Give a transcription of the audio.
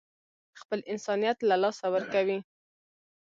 خپل انسانيت له لاسه ورکوي.